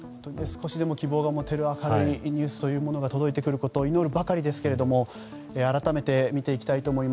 少しでも希望が持てる明るいニュースが届いてくることを祈るばかりですが改めて見ていきます。